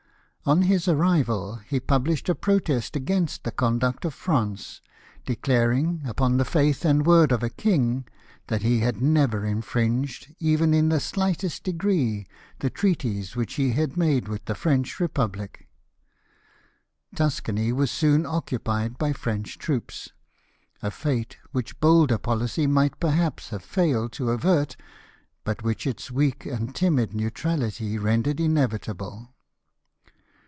On his arrival he published a protest against the conduct of France, declaring, upon the faith and word of a king, that he had never infringed, even in the slightest degree, the treaties which he had made with the French Kepublic. Tuscany Avas soon occupied by French troops, a fate which bolder policy might perhaps have failed to avert, but which its weak and timid neutrality rendered inevitable.